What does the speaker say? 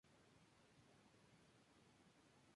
Luego de la separación de Wham!